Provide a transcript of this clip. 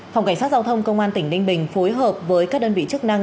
phòng cảnh sát giao thông công an tỉnh ninh bình phối hợp với các đơn vị chức năng